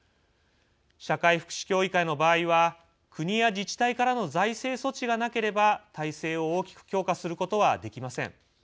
社会福祉協議会の場合は国や自治体からの財政措置がなければ体制を大きく強化することはできません。